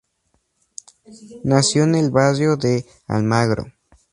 Nació en el barrio de Almagro.